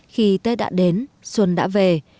khi tết đã đến xuân đã về